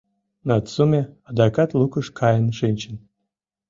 Нацуме адакат лукыш каен шинчын.